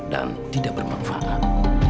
dan tidak bermanfaat